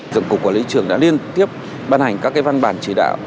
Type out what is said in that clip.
tổng cục quản lý thị trường đã liên tiếp bàn hành các văn bản chỉ đạo